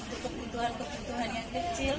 untuk kebutuhan kebutuhan yang kecil